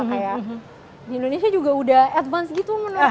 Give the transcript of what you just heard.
kayak di indonesia juga udah advance gitu menurut saya